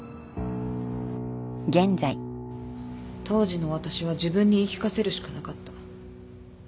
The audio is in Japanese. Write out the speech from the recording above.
当時の私は自分に言い聞かせるしかなかった。